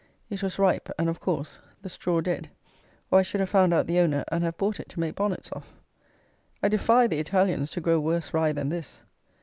It was ripe, and, of course, the straw dead; or I should have found out the owner, and have bought it to make bonnets of! I defy the Italians to grow worse rye than this.